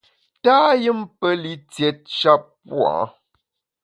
Tâyùmpelitiét shap pua’.